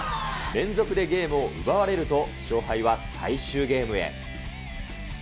連続でゲームを奪われると、勝敗は最終ゲームへ。